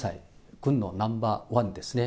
軍のナンバー１ですね。